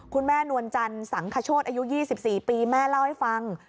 นวลจันทร์สังขโชธอายุ๒๔ปีแม่เล่าให้ฟัง